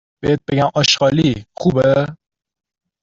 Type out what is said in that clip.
!بهت بگن آشغالی ، خوبه